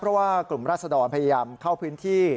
เพราะว่ากลุ่มราศดรพยายามเข้าพื้นที่